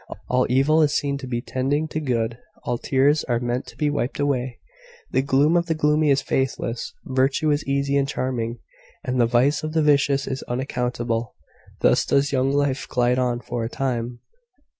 All evil is seen to be tending to good; all tears are meant to be wiped away; the gloom of the gloomy is faithless; virtue is easy and charming; and the vice of the vicious is unaccountable. Thus does young life glide on for a time.